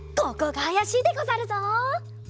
ここがあやしいでござるぞ！